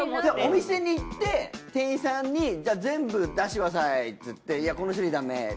じゃあお店に行って店員さんにじゃあ全部出してくださいって言ってこの種類だめ。